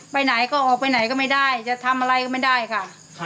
ไปไหนก็ออกไปไหนก็ไม่ได้จะทำอะไรก็ไม่ได้ค่ะ